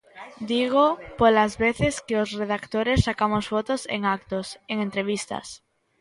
Dígoo polas veces que os redactores sacamos fotos en actos, en entrevistas.